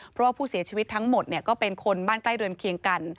เพราะว่าผู้เสียชีวิตทั้งหมดก็เป็นคนบ้านใกล้เรือนเคียงกัน